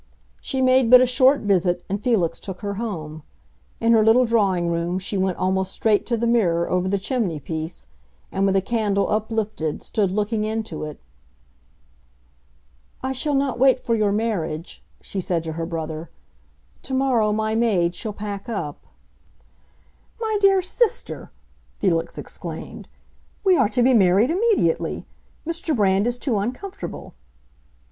She made but a short visit and Felix took her home. In her little drawing room she went almost straight to the mirror over the chimney piece, and, with a candle uplifted, stood looking into it. "I shall not wait for your marriage," she said to her brother. "Tomorrow my maid shall pack up." "My dear sister," Felix exclaimed, "we are to be married immediately! Mr. Brand is too uncomfortable."